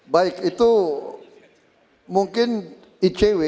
baik itu mungkin icw